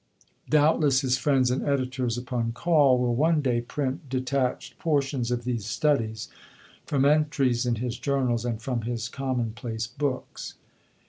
Doubtless his friends and editors, upon call, will one day print detached portions of these studies, from entries in his journals, and from his commonplace books.